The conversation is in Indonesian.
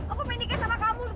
aku mau nikah sama kamu